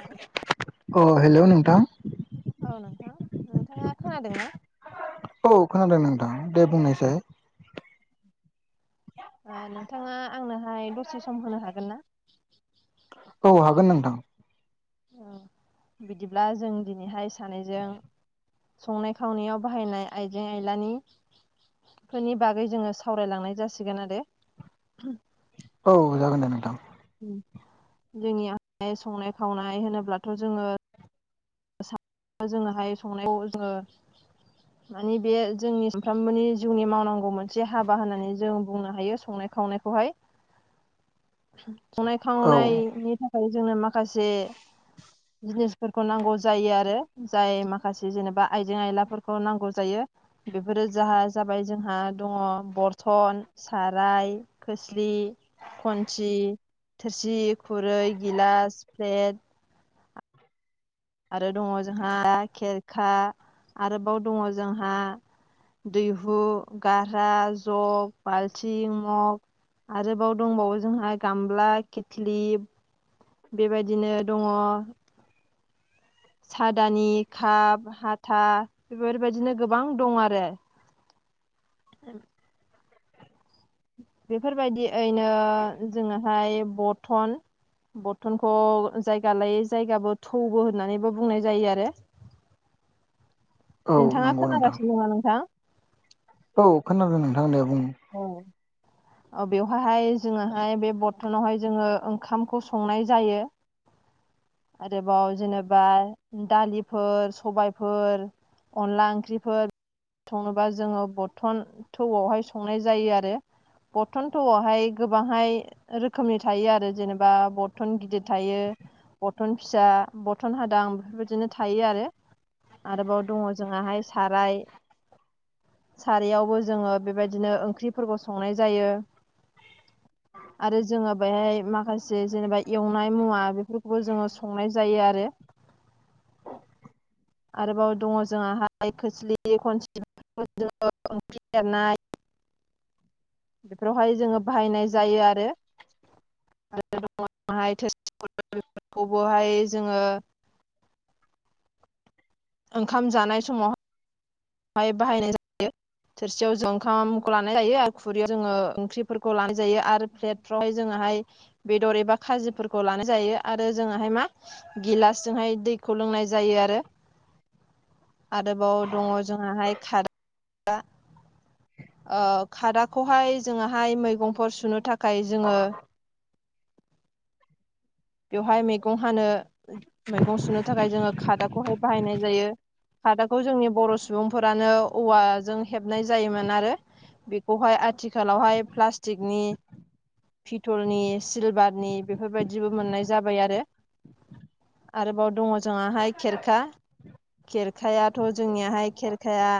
Hello अ hello नोंथां औ नोंथां नोंथाङा खोनादोंना? औ खोनादों नोंथां दे बुंनायसाय नोंथाङा आंनोहाय दसे सम होनो हागोन ना? औ हागोन नोंथां। दा जों दिनैहाय सानैजों संनाय खावनायाव बाहायनाय आइजें आयलानि फोरनि बागै जोङो सावरायलांनाय जासिगोन आरोे औ जागोन दे नोंथां। ओम जोंनि आइ संनाय खावनाय होनोब्लाथ' जोङो जोङोहाय संनायखौ जोङो मानिे बे जोंनि सानफ्रामबोनि जिउनि मावनांगौ मोनसे हाबा होननानै जों बुंनो हायो संनाय खावनायख खौहाय संनाय औ खावनायनि थाखाय खाय जोंनो माखासे जिनिसफोरखौ नांगौ जायो आरो जाय माखासे जेनेबा आइजें आयलाफोरखौ नांगौ जायो। बेफोरो जाहा जाबाय जोंहा दङ बरथन साराय खोस्लि। खन्सि थोरसि खुरै गिलास प्लेट आरो दङ जोंहा खेरखा आरोबाव दङ जोंहा दैहु गारा जग बाल्थिं मग। आरोबाव दंबावो जोंहा गामला खिथ्लि बेबायदिनो दङ। सादानि काप हाथा बेफोरबायदिनो गोबां दं आरो बेफोरबायदि ओैनो जोङोहाय बरथन। बरथनखौ जायगा लायै जायगाबो थौबो होननानैबो बुंनाय जायो आरो औ नोंथाङा नंगौ नोंथां खोनागासिनो दङ नोंथां? औ खोनादों नोंथां दे बुं। ओम बेवहहाय जोङोहाय बे बरथनावहाय जोङो ओंखामखौ संनाय जायो। आरोबाव जेनेबा दालिफोर सबायफोर। अनला ओंख्रिफोर सङोबा जोङो बर्थन थौआवहाय संनाय जायो आरो बरथनथ'थौआवहाय गोबांहाय रोखोमनि थायो आरो जेनेबा बरथन गिदिर थायो। बथन फिसा बथन हादां बेफोरबायदिनो थायो आरो आरोबाव दङ जोंहाहाय साराय सारयावबो जोङो बेबायदिनो ओंख्रिफोरखौ संनाय जायो। [inaudible] आरो जोङो बेहाय माखासे जेनेबा एवनाय मुवा बेफोरखौबो जोङो संनाय जायो आरो [inaudible] आरोबाव दङ जों हाय खोस्लि खनसि ओंख्रि एरनाय। बेफोरावहाय जोङो बाहायनाय जायो आरो आरो दङ थोर बेफोरखौबोहाय जोङो ओंखाम जानाय समावाय हाय बाहायनाय जायो। थोरसियाव जों ओंखामखौ लानाय जायो आरो खुरैयाव जोङो ओंख्रिफोरखौ लानाय जायो आरो प्लेटफ्रावहाय जोङोहाय बेदर एबा खाजिफोरखौ लानाय जायो आरो जोंहाय हाय मा गिलासजोंहाय दैखौ लोंनाय जायो आरो आरोबाव दङ जोंहाय हाय खादा खादाखौहाय जोंहा हाय मैगंफोर सुनो थाखाय जोङो बेवहाय मैगं हानो मैगं सुनो थाखाय जोङो खादाखौहाय बाहायनाय जायो। हादाखौ जोंनि बर' सुबुंफोरानो औवाजों हेबनाय जायोमोन आरो बेखौहाय आथिखालावहाय प्लास्टिकनि पिथलनि सिलभारनि बेफोरबायदिबो मोननाय जाबाय आरो आरोबाव दङ जोंहा हाय खेरखा। खेरखायाथ' जोंनियाहाय खेरखाया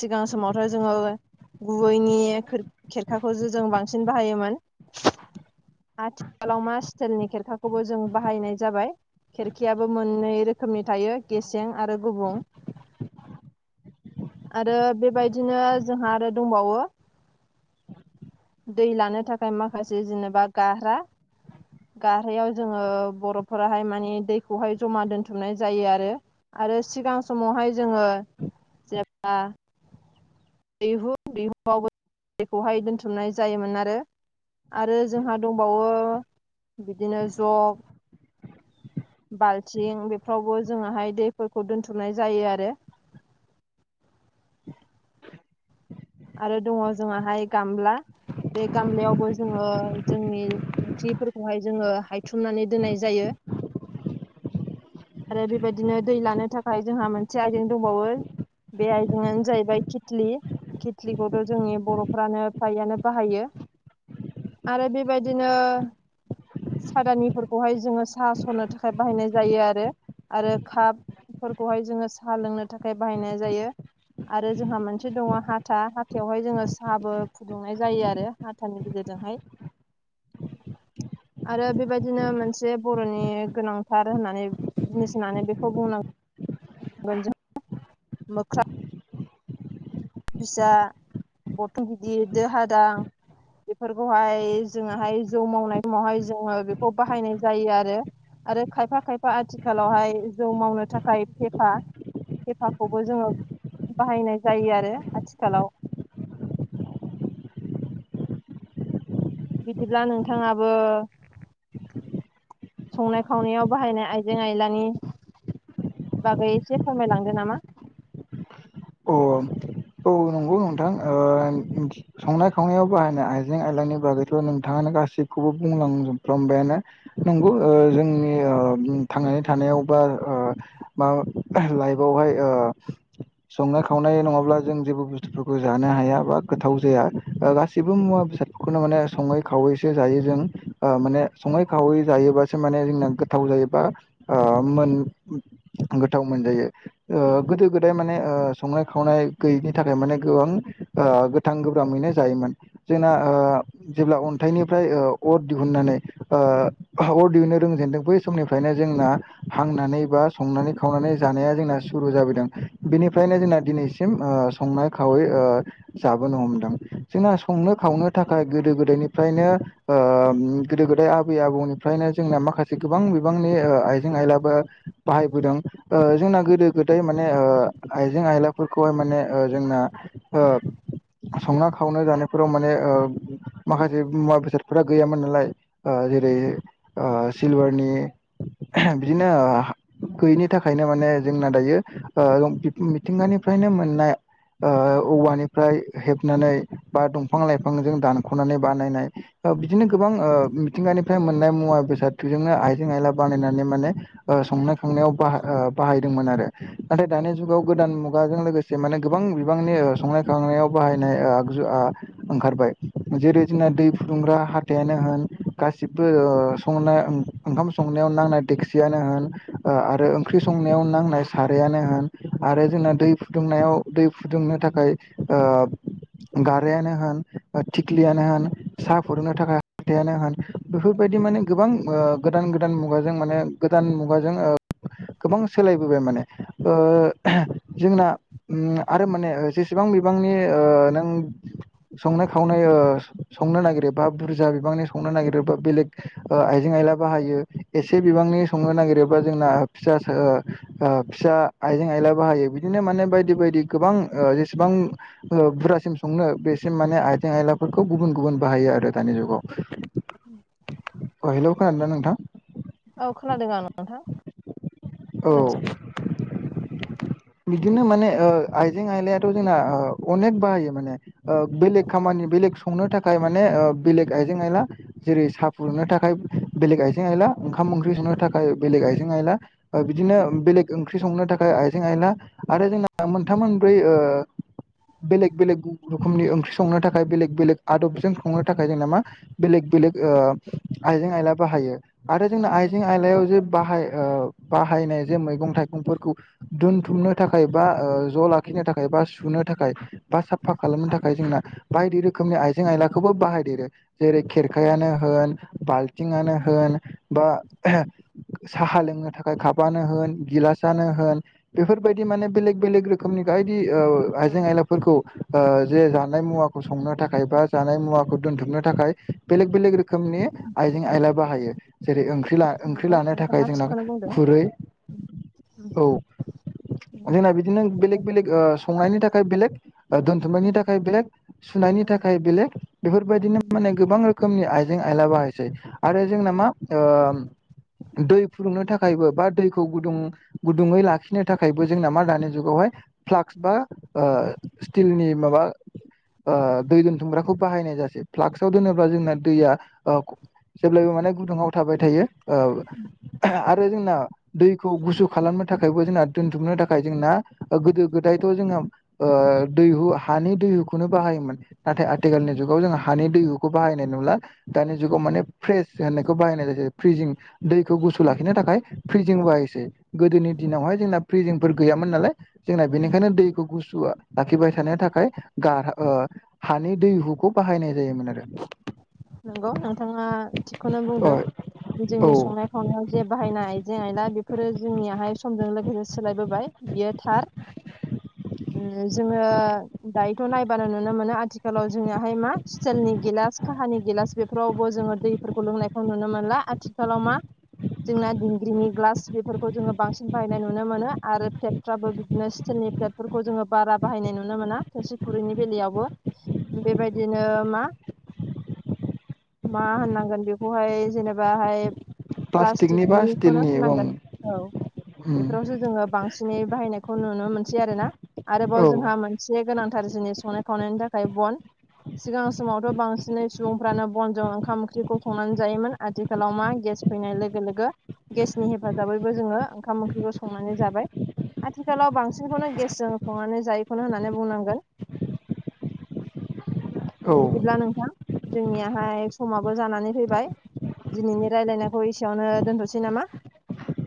सिगां समावथ' जोङो गुबैनि खोर खेरखाखौसो जों बांसिन बाहायोमोन। आथिखालाव मा स्टाइलनि खेरखाखौबो जों बाहायनाय जाबाय। खेरखियाबो मोननै रोखोमनि थायो गेसें आरो गुबुं। आरो बेबायदिनो जोंहा आरो दंबावो। दै लानो थाखाय माखासे जेनेबा गारहा गारहायाव जोङो बर'फोराहाय माने दैखौहाय जमा दोनथुमनाय जायो आरो। आरो सिगां समावहाय जोङो जेब्ला दैहु दैहुआवबो दैखौहाय दोनथुमनाय जायोमोन आरो। आरो जोंहा दंबावो बिदिनो ज'ग बाल्थिं बेफ्रावबो जोङाहाय दैफोरखौ दोनथुमनाय जायो आरो। [unintelligible] आरो दङ जोंहाय गामला बे गामलायावबो जोङो जोंनि ओंख्रिफोरखौहाय जोङो हायथुमनानै दोननाय जायो। आरो बेबायदिनो दै लानो थाखाय जोंहा मोनसे आयजें दंबावो बे आइजेंआनो जाहैबाय कितलि। कितलिकखौथ' जोंनि बर'फ्रानो फ्रायानो बाहायो। आरो बेबायदिनो सादानिफोरखौहाय जोङो साहा स'रनो थाखाय बाहायनाय जायो आरो-आरो काप फोरखौहाय जोङो साहा लोंनो थाखाय बाहायनाय जायो। आरो जोंहा मोनसे दङ हा था हाथायावहाय जोङो साहाबो फुदुंनाय जायो आरो हाथानि गेजेरजोंहाय आरो बेबायदिनो मोनसे बर'नि गोनांथार होननानै जिनिस होननानै बेखौ बुंनांगोन जों मोख्रा जा बथल गिदिर दो हादां बेफोरखौहाय जोङोहाय जौ मावनाय समावहाय जोङो बेखौ बाहायनाय जायो आरो। आरो खायफा-खायफा आथिखालावहाय जौ मावनो थाखाय फेफा फेफाखौबो जोङो बाहायनाय जायो आरो आथिखालाव। बिदिब्ला नोंथाङाबो संनाय खावनायाव बाहायनाय आयजें आयलानि बागै एसे फोरमायलांदो नामा? अ औ नंगौ नोंथां ओ [unintelligible] संनाय खावनायाव बाहायनाय आइजें आयलांनि बागैथ' नोंथाङानो गासैखौबो बुंलांजोबफ्रामबायानो। नंगौ ओ जोंनि ओ थांनानै थानायाव बा ओ मा लायबयावहाय ओ संनाय खावनाय नङाब्ला जों जेबो बुस्थुफोरखौ जानो हाया बा गोथाव जाया ओ गासिबो मुवा बेसाद खुनुनो माने सङै खावैसो जायो जों ओ माने स'ङै खावै जायोबासो माने जोंना गो थाव जायोबा ओ मोन गोथाव मोनजायो। ओ गोदो गोदाय माने ओ संनाय खावनाय गैयैनि थाखाय माने गोबां ओ गोथां गोब्राममैनो जायोमोन। जोंना ओ जेब्ला अन्थाइनिफ्राय ओ अर दिहुननानै ओ अर दिहुननो रोंजेनदों बै समनिफ्रायनो जोंना हांनानै बा संनानै खावनानै जानाया जोंना सुरु जाबोदों। बेनि फ्रायनो जोंना दिनैसिम ओ संनाय खावै ओ जाबोनो हमदों। जोंना संनो खावनो थाखाय गोदो गोदायनिफ्रायनो ओ गोदो गोदाय आबै आबौनिफ्रायनो जोंना माखासे गोबां बिबांनि ओ आइजें आइलाबो बाहायबोदों ओ जोंना गोदो गोदाय माने ओ आइजें आयलाफोरखौहाय माने ओ जोंना ओ संना खावना जानायफोराव माने ओ माखासे मुवा बेसादफोरा गैयामोन नालाय। ओ जेरै ओ सिलभारनि बिदिनो ओ गैयिनि थाखायनो माने जोंना दायो ओ बिब मिथिंगानिफ्रायनो मोननाय बा औवानिफ्राय हेबनानै बा दंफां लाइफांजों दानख'नानै बानायनाय बिदिनो गोबां मिथिंगानिफ्राय मोननाय मुवा बेसादजोंनो आइजें आयला बानायनानै माने ओ संनाय खांनायाव बाहा-बाहायदोंमोन आरो। नाथाय दानि जुगाव गोदान मुगाजों लोगोसे माने गोबां बिबांनि संनाय खावनायाव बाहायनाय आगजु आ ओंखारबाय। जेरै जोंना दै फुदुंग्रा हाथायानो होन गासिबो ओ संना ओंखाम संनायाव नांनाय देक्सियानो होन ओ आरो ओंख्रि संनायाव नांनाय सारायआानो होन आरो जोंना दै फुदुंनायाव दै फुदुंनो थाखाय ओ गारायानो होन थिख्लियानो होन साहा फुदुंनो थाखाय हाथायानो होन बेफोरबायदि माने गोबां ओ गोदान गोदान मुगाजों माने गोदान मुगाजों ओ गोबां सोलायबोबाय माने। ओ एहे जोंना उम आरो माने ओ जेसेबां बिबांनि ओ नों संनाय खावनाय ओ संनो नागिरो बा बुरजा बिबांनि संनो नागिरो बा बेलेग ओ आइजें आइला बाहायो एसे बिबांनि संनो नागिरोब्ला जोंना फिसास ओ ओ फिसा आइजें आइला बाहायो बिदिनो माने बायदि बायदि गोबां ओ जेसेबां बुरजासिम संनो बेसिम माने आयथें आयलाफोरखौ गुबुन गुबुन बाहायो आरो दानि जुगाव। अ हेलौ खोनादोंदा नोंथां? औ खोनादों आं नोंथां औ खोनागासिनो बिदिनो माने ओ आइजें आयलायाथ' जोंना ओ अनेक बाहायो माने। ओ बेलेग औ खामानि बेलेग संनो थाखाय माने ओ बेलेग आइजें आइला जेरै सा फुदुंनो थाखाय बेलेग आइजें आइला ओंखाम ओंख्रि सुनो थाखाय बेलेग आइजें आइला ओ बिदिनो बेलेग ओंख्रि संनो थाखाय जें आइला आरो जोंना मोनथाम मोनब्रै ओ बेलेग बेलेग रोखोमनि ओंख्रि संनो थाखाय बेलेग बेलेग आदबजों संनो थाखाय जोंना मा बेलेग बेलेग ओ आइजें आयला बाहायो। आरो औ जोंना आइजें नंगौ आयलायाव जे बाहाय ओ बाहायनाय जे मैगं थाइगंफोरखौ दोनथुमनो थाखाय बा ओ ज' लाखिनो थाखाय बा सुनो थाखाय बा साफा खालामनो थाखाय जोंना बायदि रोखोमनि आइजें आयलाखौबो बाहायदेरो। जेरै खेरखायानो होन बाल्थिंआनो होन बा एहे साहा लोंनो थाखाय कापानो होन गिलासनो होन बेफोरबायदि माने बेलेग बेलेग रोखोमनि बायदि ओ औ आइजें आइला फोरखौ ओ जे जानाय मुवाखौ संनो थाखाय बा जानाय मुवाखौ दोनथुमनो थाखाय बेलेग बेलेग रोखोमनि आइजें आयला बाहायो। जेरै ओं ख्रिला ओंख्रि नंगौ लानो थाखाय नोंथाङा जोंना थिगखौनो खुरै औ। जोंना बिदिनो बेलेग बेलेग ओ संनायनि थाखाय बेलेग दोनथुमनायनि बुंदों थाखाय बेलेग सुनायनि थाखाय बेलेग बेफोरबायदिनो माने गोबां रोखोमनि आइजें आइला बाहायसै। आरो जोंना मा ओ दै फुदुंनो थाखायबो बा दैखौ गुदुं गुदुङै ला खिनो थाखायबो जोंनामा दानि जुगावहाय फ्लाक्स बा ओ स्टिलनि माबा ओ दै दोनथुमग्राखौ बाहायनाय जासै। फ्लाक्सआव दोनोब्ला जोंना दैया जेब्लायबो माने गुदुङाव थाबाय थायो। औ आरो जोंना दैखौ गुसु खालामनो था खायबो जोंना दोनथुमनो थाखाय जोंना गोदो गोदायथ' जोंना ओ दैहु हानि दैहुखौनो बाहायोमोन। नाथाय आथिखालनि जुगाव जों हानि दैहु खौ बाहायनाय नुला दानि जुगाव माने फ्रेस होननायखौ बाहायनाय जासै फ्रिजिं। दैखौ गुसु लाखिनो थाखाय फ्रिजिं बाहायसै। गोदोनि दिनावहाय जोंना फ्रिजिंफोर गैयामोन नालाय जोंना बेनिखायनो दैखौ गुसु लाखिबाय थानो थाखाय गार ओ हानि दैहुखौ बाहायनाय जायोमोन आरो। नंगौ नोंथांङा थिगखौनो बुंदों। आरो औ जोंनि संनाय खावनायाव जे बाहायनाय आइजें आयला बेफोरो जोंनियाहाय समजों लोगोसे सोलायबोबाय बियो थार। [inaudible] उम जोङो दायोथ' नायबानो नुनो मोनो आथिखालाव जोंनियाहाय मा सिथेलनि गिलास काहानि गिलास बेफोरावबो जोङो दैफोरखौ लोंनायखौ नुनो मोनला। आथिखालाव मा जोंना दिंग्रिनि ग्लास बेफोरखौ जोङो बांसिन बाहायनाय नुनो मोनो। आरो प्लेट फ्राबो बिदिनो सिथेलनि प्लेटफोरखौ जोङो बारा बाहायनाय नुनो मोना, थोरसि, खुरैनि बेलायावबो। बेबायदिनो मा मा होननांगोन बेखौहाय जेनेबाहाय प्लास्टिकनि बा प्लास्टिकनिखौनो स्टिलनि ओं होनांगोन औ उम बेफोरावसो जोंङो बांसिनै बाहायनायखौ नुनो मोनसै आरोना। आरोबाव औ जोंहा मोन से गोनांथार जोंनि संनाय खावनायनि थाखाय बन। सिगां समावथ' बांसिनै सुबुंफ्रानो बनजों ओंखाम ओंख्रिखौ संनानै जायोमोन। आथिखालाव मा गेस फैनाय लोगो लोगो गेसनि हेफाजाबैबो जोंङो ओंखाम ओंख्रिखौ संनानै जाबाय। आथिखालाव बांसिनखौनो गेसजों संनानै जायोखौनो होननानै बुंनांगोन। औ बिदिब्ला नोंथां जोंनियाहाय समाबो जानानै फैबाय। दिनैनि रायलायनायखौ एसेयावनो दोनथ'सै नामा?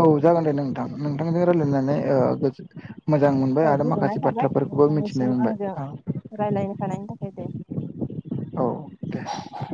औ जागोन दे नोंथां। नोंथांजों रालायनानै औ ओ गोसो मोजां मोनबाय औ आरो गोजोननाय माखासे बाथ्राफोरखौबो मिथिनाय मोनबाय। औ रायलायनो खानायनि थाखाय दे। औ दे